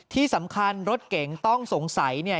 ที่สำคัญรถเก๋งต้องสงสัยเนี่ย